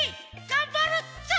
がんばるぞ！